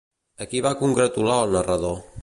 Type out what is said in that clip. A qui va congratular el narrador?